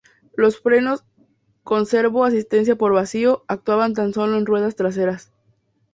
Los frenos, con servo asistencia por vacío, actuaban tan solo en las ruedas traseras.